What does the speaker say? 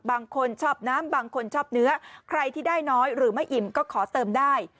บางคนชอบน้ำบางคนชอบเนื้อใครที่ได้น้อยหรือไม่อิ่มก็ขอเติมได้